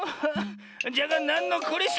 じゃがなんのこれしき。